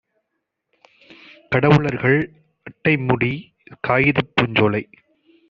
கடவுளர்கள், அட்டைமுடி, காகிதப் பூஞ்சோலை